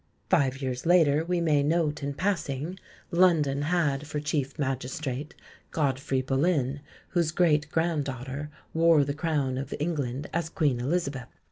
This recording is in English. Five years later, we may note in passing, London had for chief magistrate Godfrey Boleyn, whose great grand daughter wore the crown of England as Queen Elizabeth.